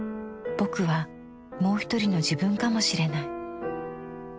「『ぼく』はもうひとりの自分かもしれない。